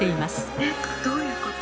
えっどういうこと？